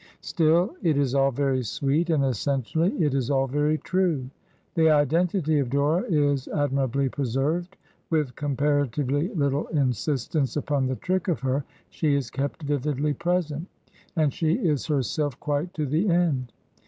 Still, it is all very sweet, and essentially it is all very true. The identity of Dora is admirably preserved; with comparatively little insist ence upon the trick of her, she is kept vividly present; and she is herself quite to the end.